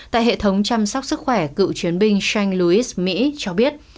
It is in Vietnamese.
tại hệ thống chăm sóc sức khỏe cựu chiến binh shane lewis mỹ cho biết